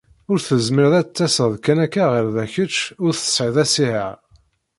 Ur tezmireḍ ad d-taseḍ kan akka ɣer da kečč ur tesεiḍ asiher.